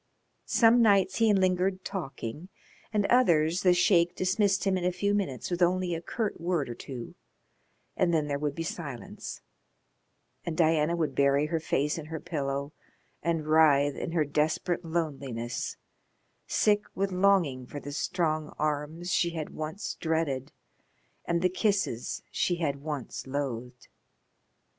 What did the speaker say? Some nights he lingered talking, and others the Sheik dismissed him in a few minutes with only a curt word or two, and then there would be silence, and Diana would bury her face in her pillow and writhe in her desperate loneliness, sick with longing for the strong arms she had once dreaded and the kisses she had once loathed.